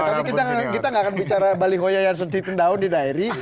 tapi kita nggak akan bicara balikho nya yang sedikit daun di dairi